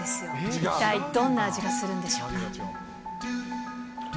一体どんな味がするんでしょうか。